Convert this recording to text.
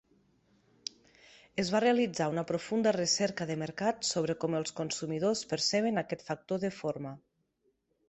Es va realitzar una profunda recerca de mercat sobre com els consumidors perceben aquest factor de forma.